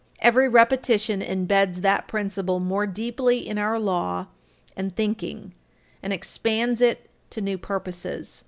Every repetition imbeds that principle more deeply in our law and thinking and expands it to new purposes.